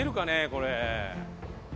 これ。